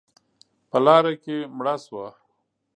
_په لاره کې مړه شوه.